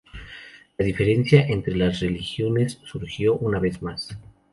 La diferencia entre las religiones surgió una vez más.